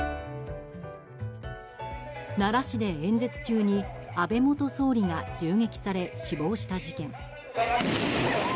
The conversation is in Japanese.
奈良市で演説中に安倍元総理が銃撃され死亡した事件。